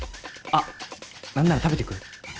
あっ何なら食べてく？